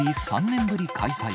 ３年ぶり開催。